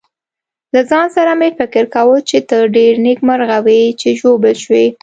له ځان سره مې فکر کاوه چې ته ډېر نېکمرغه وې چې ژوبل شوې.